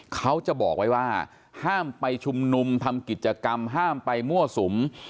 เขาจะบอกไว้ว่าห้ามไปชุมนุมทำกิจกรรมห้ามไปมั่วสุม